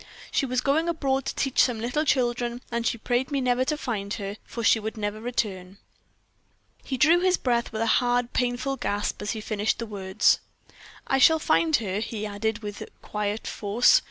She was going abroad to teach some little children, and she prayed me never to find her, for she would never return." He drew his breath with a hard, painful gasp as he finished the words. "I shall find her," he added, with quiet force.